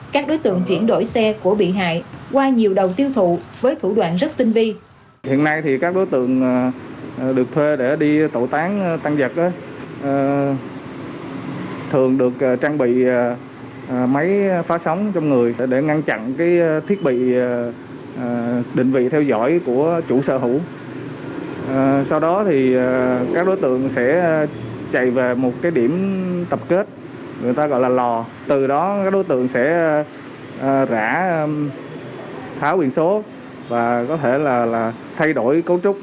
các đối tượng chuyển đổi xe của bị hại qua nhiều đầu tiêu thụ với thủ đoạn rất tinh vi